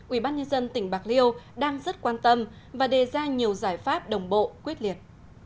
ubnd tỉnh bạc liêu đang rất quan tâm và đề ra nhiều giải pháp đồng bộ quyết liệt